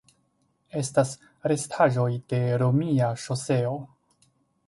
Estas restaĵoj de romia ŝoseo.